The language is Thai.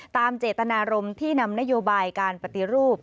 ตามเจตนารมณ์ที่นำนโยบายการปฏิรูป